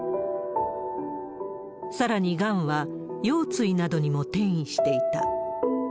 さらに、がんは腰椎などにも転移していた。